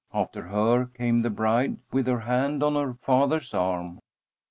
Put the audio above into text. After her came the bride with her hand on her father's arm.